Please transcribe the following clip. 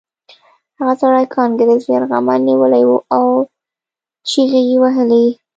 هغه سړي کانګرس یرغمل نیولی و او چیغې یې وهلې